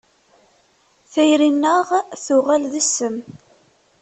Tayri-nneɣ tuɣal d ssem.